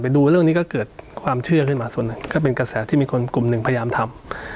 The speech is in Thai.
ดูเรื่องนี้ก็เกิดความเชื่อขึ้นมาส่วนหนึ่งก็เป็นกระแสที่มีคนกลุ่มหนึ่งพยายามทำ